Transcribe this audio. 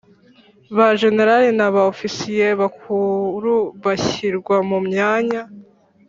Ba Jenerali n aba Ofisiye Bakuru bashyirwa mumyanya